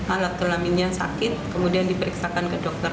anak telaminya sakit kemudian diperiksakan ke dokter